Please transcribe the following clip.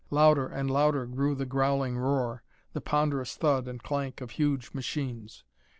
Louder and louder grew the growling roar, the ponderous thud and clank of huge machines.